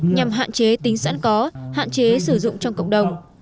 nhằm hạn chế tính sẵn có hạn chế sử dụng trong cộng đồng